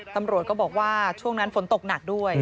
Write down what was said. ตำรวจก็บอกว่าช่วงนั้นฝนตกหนักด้วย